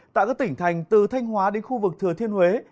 tại các tỉnh thành từ thanh hóa đến khu vực thừa thiên huế